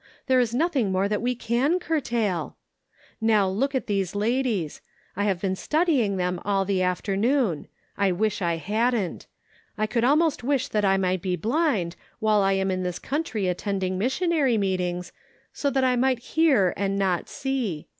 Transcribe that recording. There is nothing more that we can curtail.' Now look at these ladies. I have been studying them all the 456 The Pocket Measure. afternoon ; I wish I hadn't. I could almost wish that I might be blind, while I am in this country attending missionary meetings, so that I might hear and not see.